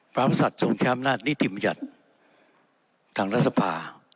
ปราศัทธ์สงครามนาฏนิทิมยัตต์ทางรัฐสภา